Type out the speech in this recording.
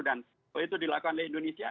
dan kalau itu dilakukan oleh indonesia